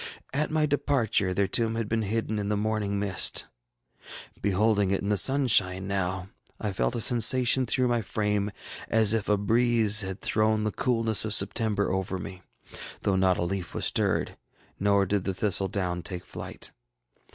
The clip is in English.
At my departure their tomb had been hidden in the morning mist. Beholding it in the sunshine now, I felt a sensation through my frame as if a breeze had thrown the coolness of September over me, though not a leaf was stirred, nor did the thistle down take flight.